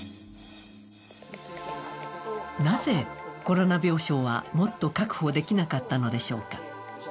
なぜ、コロナ病床はもっと確保できなかったのでしょうか。